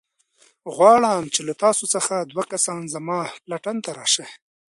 غواړم چې له تاسو څخه دوه کسان زما پلټن ته راشئ.